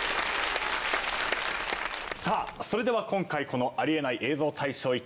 それでは今回この『ありえない映像大賞』